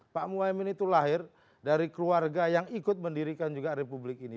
pak muhaymin itu lahir dari keluarga yang ikut mendirikan juga republik ini